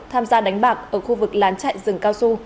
tham gia đánh bạc ở khu vực lán chạy rừng cao su